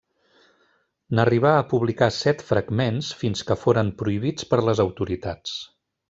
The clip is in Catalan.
N'arribà a publicar set fragments, fins que foren prohibits per les autoritats.